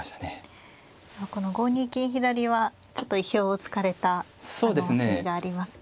この５二金左はちょっと意表をつかれた可能性がありますね。